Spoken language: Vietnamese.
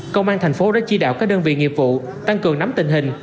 công an thành phố đã chỉ đạo các đơn vị nghiệp vụ tăng cường nắm tình hình